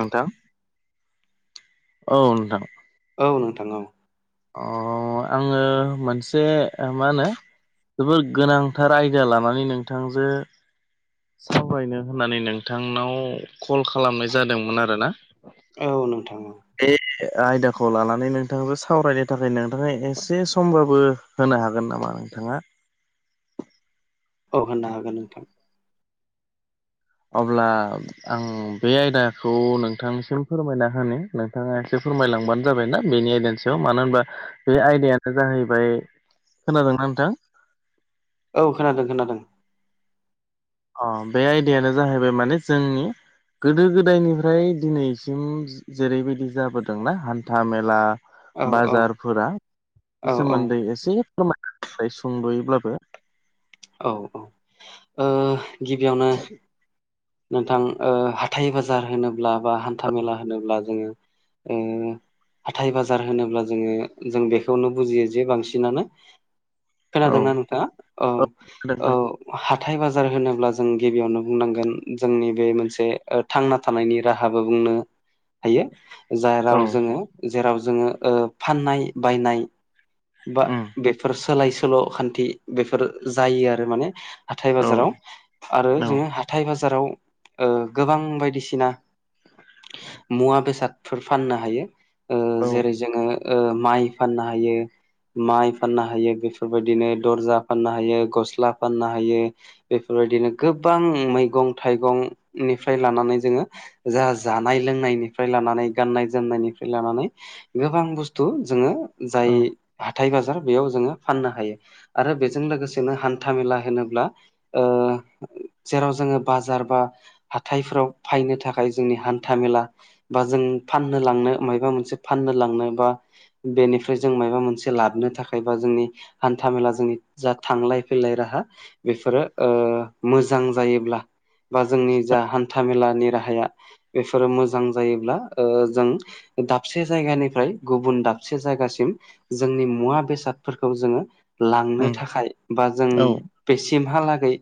नोंथां औ नोंथां औ नोंथां औ अ' आंङो मोनसे मा होनो जोबोर गोनांथार आयदा लानानै नोंथांजों सावरायनो होननानै नोंथांनाव कल खालामनाय जादोंमोन आरो ना। औ नोंथां [unintelligible] आयदाखौ लानानै नोंथाङाबो सावरायनो थाखाय नोंथाङा एसे समबाबो होनो हागोन नामा नोथांङा? औ होननो हागोन नोंथां। अब्ला आं बे आयदाखौ नोंथांनिसिम फोरमायना होनो नोंथाङा एसे फोरमायलांबानो जाबायना बेनि आयदानि सायाव मानो होनबा बे आयदायानो जाहैबाय खोनादोंना नोंथां? औ खोनादों खोनादों। अ बे आयदायानो जाहैबाय माने जोंनि गोदो-गोदायनिफ्राय दिनैसिम जेरैबायदि जाबोदोंना हान्था- मेला औ औ बाजारफोरा औ सोमोन्दै एसे फोरमायना होलाय सुंद'यैब्लाबो औ औ ओ गिबियावनो नोंथां हाथाइ -बाजार होनोब्ला बा हान्था- मेला होनोब्ला जोङो हाथाय- बाजार होनोब्ला जोङो जों बेखौनो बुजियो जे बांसिनानो औ खोनादोंना नोंथाङा औ औ हाथाइ- बाजार होनोब्ला जों गिबियावनो बुंनांगोन जोंनि बे मोनसे थांना थानायनि राहाबो बुंनो [inaudible] हायो औ जाराव जोङो जेराव जोङो फाननाय बायनाय बा उम बेफोर सोलाय- सोल' खान्थि बेफोर जायो आरो माने हाथाय औ बाजाराव आरो औ जोङो हाथाइ-बाजाराव गोबां बायदिसिना मुवा बेसादफोर फाननो हायो औ जेरै जोङो माइ फाननो हायो। माइ फाननो हायो बेफोरबायदिनो दरजा फाननो हायो, गस्ला फाननो हायो। बेफोरबायदिनो गोबां मैगं-थाइगंनिफ्राय लानानै जोङो जाहा जानाय-लोंनायनिफ्राय लानानै गाननाय-जोमनायनिफ्राय लानानै गोबां बुस्थु जोङो जाय औ हाथाय-बाजार बेयाव जोङो फाननो हायो आरो बेजों लोगोसेनो हान्था मेला होनोब्ला ओ [inaudible] जेराव जोङो बाजार बा हाथायफोराव फायनो थाखाय जोंनि हान्था मेला बा जों फाननो लांनो मायबा मोनसे फाननो लांनो बा बेनिफ्राय जों माबा मोनसे लाबोनो थाखाय बा जोंनि हान्था मेला जोंनि जा थांलाय फैलाय राहा बेफोरो मोजां जायोब्ला बा जोंनि जा हान्था मेलानि राहाया बेफोरो मोजां जायोब्ला जों दाबसे जायगानिफ्राय गुबुन दाबसे जायगासिम जोंनि मुवा बेसादफोरखौ जोङो लांनो उम थाखाय बा जों औ बेसिमहालागै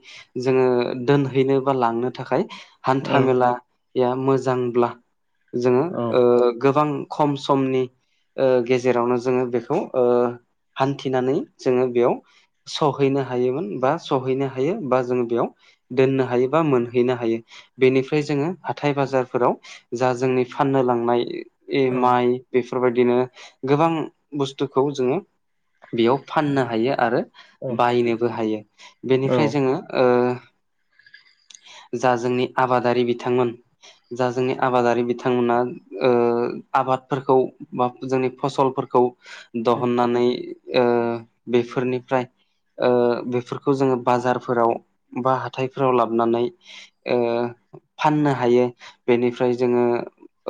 जोङो दोनहैनो बा लांनो थाखाय औ हान्था- मेला या मोजांब्ला जोङो गोबां खम समनि गेजेरावनो जोङो बेखौ हान्थिनानै जोङो बेयाव सहैनो हायोमोन बा सहैनो हायो बा जों बेयाव दोननो हायो बा मोनहैनो हायो। बेनिफ्राय जोङो हाथाय-बाजारफोराव जा जोंनि फाननो लांनाय औ माइ बेफोरबायदिनो गोबां बुस्थुखौ जोङो बेयाव फाननो हायो आरो औ बायनोबो हायो औ बेनिफ्राय फ्राय जोङो जा जोंनि आबादारि बिथांमोन जा जोंनि आबादारि बिथांमोना आबादफोरखौ बा जोंनि फसलफोरखौ उम दहुननानै बेफोरनिफ्राय बेफोरखौ जोङो बाजारफोराव बा हाथायफोराव लाबोनानै ओ फाननो हायो बेनिफ्राय जोङो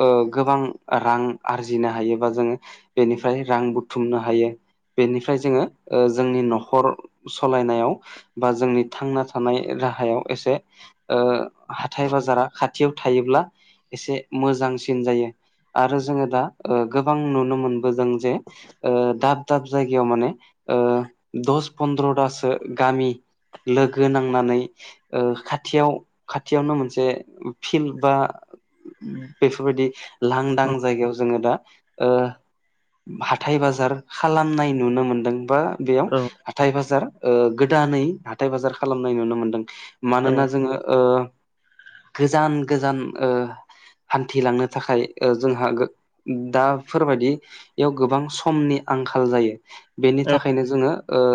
ओ गोबां रां आरजिनो हायो बा जोङो बेनिफ्राय रां बुथुमनो हायो। बेनिफ्राय जोङो ओ जोंनि न'खर सालायनायाव बा जोंनि थांना थानाय राहायाव एसे ओ हाथाय बाजारा खाथियाव थायोब्ला एसे मोजांसिन जायो। आरो जोङो दा ओ गोबां नुनो मोनबोदों जे ओ दाब दाब जायगायाव माने ओ दस पन्द्र'थासो गामि लोगो नांनानै ओ खाथियाव खाथियावनो मोनसे फिल बा बेफोरबायदि लांदां उम जायगायाव जोङो दा ओ हाथाय बाजार खालामनाय नुनो मोनदों बा बेयाव औ हाथाय बाजार ओ गोदानै हाथाय बाजार खालामनाय नुनो मोनदों। औ मानोना जोङो ओ गोजान गोजान ओ हान्थिलांनो थाखाय जोंहा दाफोरबायदि बेयाव गोबां समनि आंखाल जायो बेनि औ थाखायनो जोङो ओ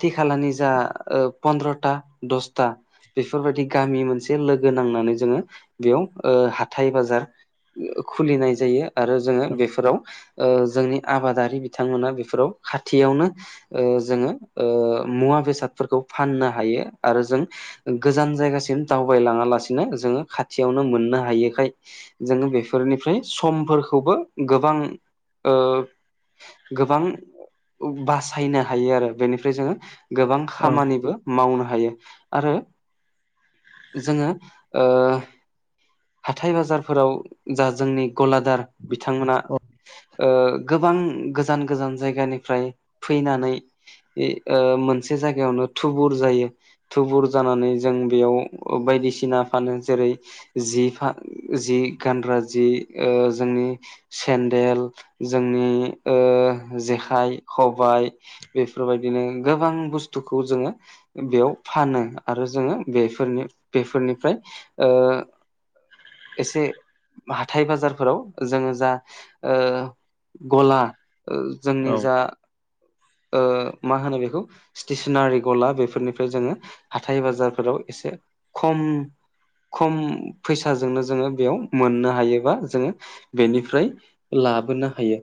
खाथि खालानि जा ओ पन्द्र'था दसथा बेफोरबायदि गामि मोनसे लोगो नांनानै जोङो बेयाव ओ हाथाय बाजार खुलिनाय जायो आरो जोङो बेफोराव ओ जोंनि आबादारि बिथांमोना बेफोराव खाथियावनो ओ जोङो ओ मुवा बेसादफोरखौ फाननो हायो आरो जों गोजान जायगासिम दावबायलाङा लासिनो जोङो खाथियावनो मोननो हायोखाय जोङो बेफोरनिफ्राय समफोरखौबो गोबां ओ गोबां बासायनो हायो आरो बेनिफ्राय जोङो गोबां खामानिबो मावनो हायो आरो जोङो ओ हाथाय बाजारफोराव जा जोंनि गलादार बिथांमोना ओ गोबां गोजान गोजान जायगानिफ्राय फैनानै ओ मोनसे जायगायावनो थुबुर जायो। थुबुर जानानै जों बेयाव बायदिसिना फानो जेरै जि फा जि गानग्रा जि ओ जोंनि सेन्देल जोंनि ओ जेखाइ, खबाइ बेफोर बायदिनो गोबां बुस्थुखौ जोङो बेयाव फानो आरो जोङो बेफोरनि बेफोरनिफ्राय ओ एसे हाथाय बाजारफोराव जोङो जा ओ गला जोंनि जा ओ मा होनो बेखौ स्टेसनारि गला बेफोरनिफ्राय जोङो हाथाय बाजारफोराव एसे खम खम फैसाजोंनो जोङो बेयाव मोननो हायोबा जोङो बेनिफ्राय लाबोनो हायो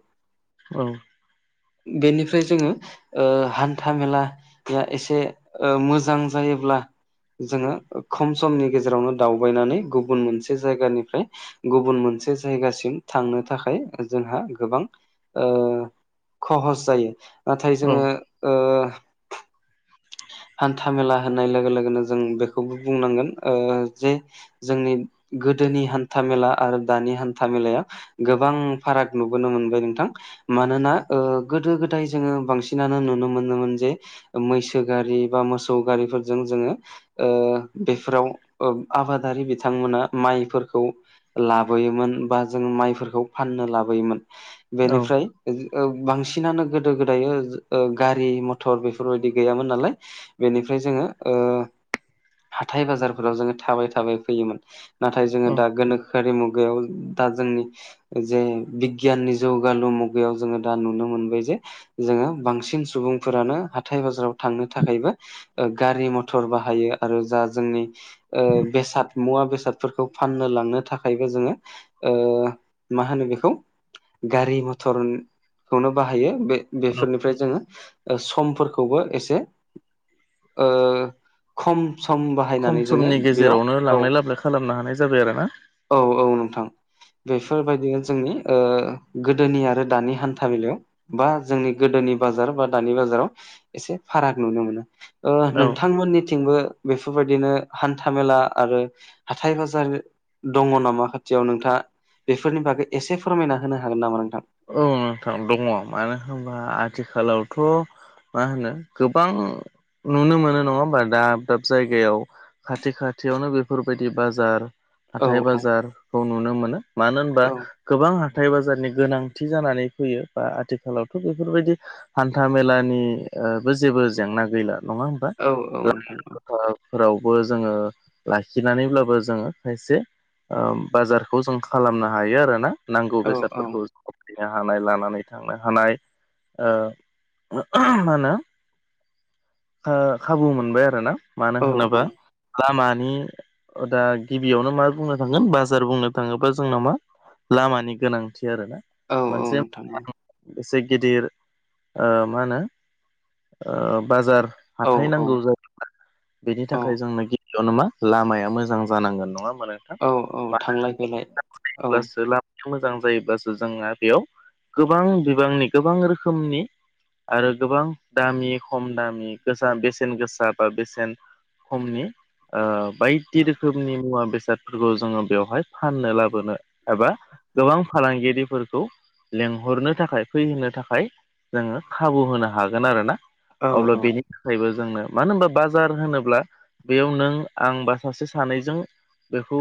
औ बेनिफ्राय जोङो ओ हान्था मेेलाया ओ एसे मोजां जायोब्ला जोङो खम समनि गेजेरावनो दावबायनानै गुबुन मोनसे जायगानिफ्राय गुबुन मोनसे जायगासिम थांनो थाखाय जोंहा गोबां ओ खहस जायो। नाथाय औ जोङो ओ हान्था मेला होननाय लोगो लोगोनो जों बेखौबो बुंनांगोन ओ जे जोंनि गोदोनि हान्था मेला आरो दानि हान्था मेलायाव गोबां फाराग नुबोनो मोनबाय नोंथां मानोना ओ गोदो-गोदाय जोङो बांसिनानो नुनो मोनोमोन जे मैसो गारि बा मोसौ गारिफोरजों जोङो ओ बेफोराव आबादारि बिथांमोना माइफोरखौ लाबोयोमोन बा जोंङो माइफोरखौ फाननो लाबोयोमोन। औ बेनिफ्राय ओ बांसिनानो गो गोदो गोदायो ओ गारि मथर बेफोरबायदि गैयामोन नालाय बेनिफ्राय जोङो ओ हाथथाय बाजारफोराव जोङो थाबायै थाबायै फैयोमोन। नाथाय जोङो दा गोनोखोआरि मुगायाव दा जोंनि जे बिगियाननि जौगालु मुगायाव जोङो दा नुनो मोनबाय जे जोङो बांसिन सुबुंफोरानो हाथाय बाजाराव थांनो थाखायबो ओ गारि मथर बाहायो आरो जा जोंनि ओ बेसाद मुवा बेसादफोरखौ फाननो लांनो थाखायबो जोङो ओ मा होनो बेखौ गारि मथर खौनो बाहायो बे बेफोरनिफ्राय जोङो समफोरखौबो एसे ओ खम सम खम बाहायनानै जोङो समनि बेयाव गेजेरावनो औ। लांलाय लाबोलाय खालामनो हानाय जाबाय आरो ना औ औ नोंथां। बेफोरबायदिनो जोंनि ओ गोदोनि आरो दानि हान्था मलाायाव बा जोंनि गोदोनि बाजार बा दानि बाजाराव एसे फाराग नुनो मोनो। ओ औ नोंथांमोननिथिंबो बेफोरबायदिनो हान्था मेला आरो हाथथाय बाजार दङ नामा खाथियाव नोंथाङा बेफोरनि बागै एसे फोरमायना होनो हागोन नामा नोंथां? सोनांथाव दङ मानो होनबा आथिखालावथ' मा होनो गोबां नुनो मोनो नङा होमबा दाब दाब जायगायाव खाथि खाथियावनो बेफोरबायदि बाजार औ हाथाय औ बाजारखौ नुनो मोनो मानो होनबा औ गोबां हाथथाय बाजारनि गोनांथि जानानै फैयो बा आथिखालावथ' बेफोरबायदि हान्था मेलानिबो ओ जेबो जेंना गैला नङा होम औ औ नोंथां औ फोरावबो जोङो लाखिनानैब्लाबो जोङो खायसे ओ बाजारखौ जों खालामनो हायो आरोना नांगौ औ औ बेसादफोरखौ। खनो हानाय लानानै थांनो हानाय ओ मा होनो ओ खाबु मोनबाय आरो ना मानो औ होनोबा लामानि ओ दा गिबियावनो मा बुंनो थांगोन बाजार बुंनो थाङोबा जोंना मा लामानि गोनांथि आरोना औ औ मोनसे नोंथां औ एसे गिदिर ओ मा होनो ओ बाजार औ हाथाय औ नांगौ जायो बेनि औ थाखाय जोंनो गिबियाव न मा लामाया मोजां जानांगोन नङा होमबा नों औ औ थांलाय फैलाय औ ब्लासो मोजां जायोबासो जोंहा बेयाव गोबां बिबांनि गोबां रोखोमनि आरो गोबां दामि खम दामि गोसा बेसेन गोसा बा बेसेन खमनि ओ बायदि रोखोमनि मुवा बेसाद फोरखौ जोङो बेवहाय फाननो लाबोनो एबा गोबां फालांगिरिफोरखौ लेंहरनो थाखाय फैहोनो थाखाय जोङो खाबु होनो हागोन आरोना। औ औ अब्ला बेनि थाखायबो जोंनो मानो होनबा बाजार होनोब्ला बेयाव नों आं बा सासे सानैजों बेखौ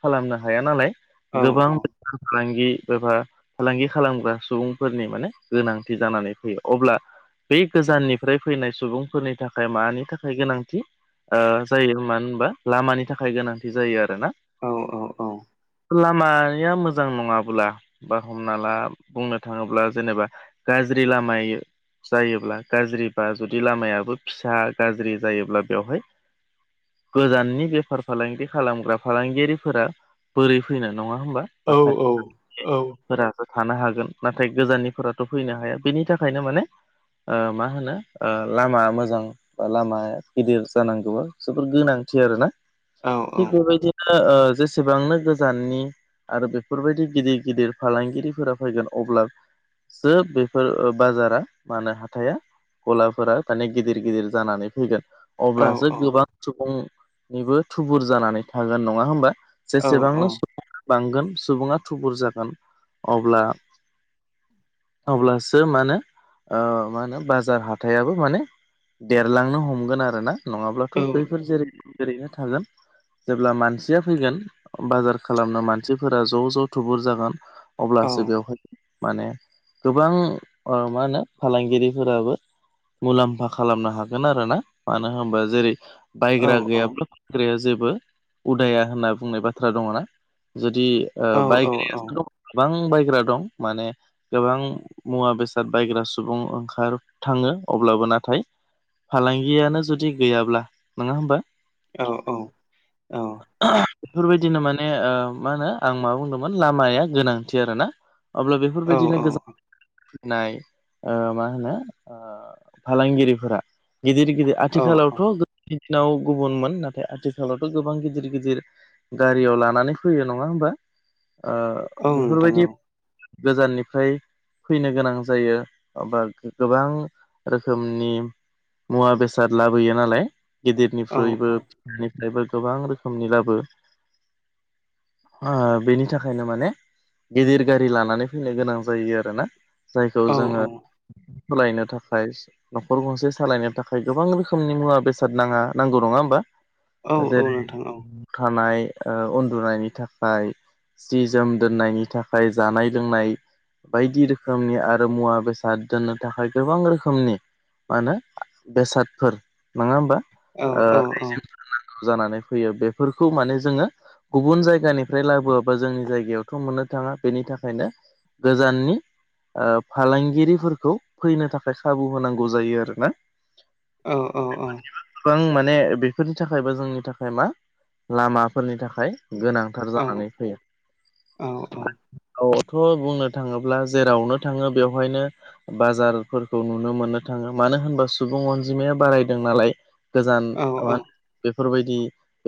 खालामनो हाया नालाय औ गोबां बे फालांगि एबा फालांगि खालामग्रा सुबुंफोरनि माने गोनांथि जानानै फैयो अब्ला बे गोजाननिफ्राय फैनाय सुबुंफोरनि थाखाय मानि थाखाय गोनांथि ओ जायो मानो होनबा लामानि थाखाय गोनांथि जायो आरोना। औ औ औ लामाया मोजां नङाब्ला बा हमना ला बुंनो थाङोब्ला जेनेबा गाज्रि लामाय जायोब्ला गाज्रि बाज जुदि लामायाबो फिसा गाज्रि जायोब्ला बेवहाय गोजाननि बेफार फालांगि खालामग्रा फालांगियारिफोरा बोरै फैनो नङा होमबा? बा औ खाथि औ औ। फोरासो थानो हागोन। नाथाय गोजाननिफोराथ' फैनो हाया, बेनि थाखायनो माने ओ मा होनो ओ लामा मोजां बा लामा गिदिर जानांगौआ जोबोर गोनांथि आरो ना। औ थिग बेबायदिनो ओ जेसेबांनो गोजाननि आरो बेफोरबायदि गिदिर गिदिर फालांगिरिफोरा फैगोन अब्ला सो बेफोर बाजारा मा होनो हाथाइया गलाफोरा माने गिदिर गिदिर जानानै फैगोन। औ अब्लासो गोबां सुबुंनिबो थुबुर जानानै थागोन नङा होमबा? औ जेसेबांनो सुबुं बांगोन सुबुङा थुबुर जागोन। अब्ला अब्लासो मा होनो ओ मा होनो बाजार हा थाइयाबो माने देरलांनो हमगोन आरोना। नङाब्लाथ' बैफोर जेरै ओरैनो थागोन। जेब्ला मानसिया फैगोन बाजार खालामनो मानसिफोरा ज' ज' थुबुर जागोन। अब्लासो बेवहाय माने गोबां ओ मा होनो फालांगिरिफोराबो मुलाम्फा खालामनो हागोन आरोना। मानो होनबा जेरै बायग्रा गैयाब्ला फानग्राया जेबो उदाया होनना बुंनाय बाथ्रा दङ' ना, जुदि ओ औ बायग्रायासो दं गोबां बायग्रा दं माने गोबां मुवा बेसाद बायग्रा सुबुं ओंखार थाङो। अब्लाबो नाथाय फालांगियानो जुदि गैयाब्ला नङा होमबा? औ औ औ। [unintelligible] बेफोरबायदिनो माने ओ मा होनो आं मा बुंदोंमोन लामाया गोनांथि आरोना। अब्ला बेफोरबायदिनो गोजान [unintelligible] नाय ओ मा होनो? ओ फालांगिरिफोरा गिदिर गिदिर औ औ आथिखालावथ' दिनाव गुबुनमोन नाथाय आथिखालावथ' गोबां गिदिर गिदिर गारियाव लानानै फैयो नङा होमबा? ओ नोंथां औ बेफोरबायदि गोजाननिफ्राय फैनो गोनां जायो अब्ला गोबां रोखोमनि मुवा बेसाद लाबोयो नालाय, औ औ गिदिरनिख्रुइबो निफ्रायबो गोबां रोखोमनि लाबो आं बेनि थाखायनो माने गिदिर गारि लानानै फैनो गोनां जायो आरोना। जायखौ औ औ जोङो सलायनो थाखा खाय न'खर गंसे सालायनो थाखाय गोबां रोखोमनि मुवा बेसाद नाङा नांगौ नङा होमबा? औ जेरै नोंथां औ थानाय ओ उन्दुनायनि थाखाय जि जोम दोननायनि थाखाय, जानाय लोंनाय बायदि रोखोमनि आरो मुवा बेसाद दोननो थाखाय गोबां रोखोम खोमनि मा होनो बेसादफोर नङा होमबा? औ ओ औ औ [unintelligible] नांगौ जानानै फैयो। बेफोरखौ माने जोङो गुबुन जायगानिफ्राय लाबोआबा जोंनि जायगायावथ' मोननो थाङा। बेनि थाखायनो गोजाननि ओ फालांगिरिफोरखौ फैनो थाखाय खाय खाबु होनांगौ जायो आरोना। ओ ओ अ। [unintelligible] गोबां माने बेफोरनि थाखाय बा जोंनि थाखाय मा लामाफोरनि थाखाय गोनांथार जानानै औ फैयो। औ [unintelligible] औ थ' बुंनो थाङोब्ला जेरावनो थाङो बेवहायनो बाजार फोरखौ नुनो मोननो थाङो मानो होनबा सुबुं अनजिमाया बारायदों नालाय। गोजान मा औ होनो? औ बेफोरबायदि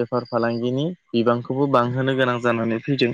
बेफार फालांगिनि बिबांखौबो बांहोनो गोनां जानानै फैदों।